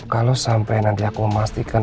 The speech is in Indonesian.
kalau sampai nanti aku memastikan